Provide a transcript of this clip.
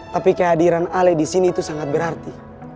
tapi kehadiran ale di sini itu sangat berarti